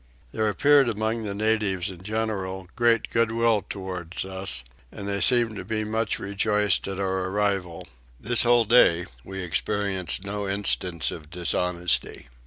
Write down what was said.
There appeared among the natives in general great goodwill towards us, and they seemed to be much rejoiced at our arrival. This whole day we experienced no instance of dishonesty.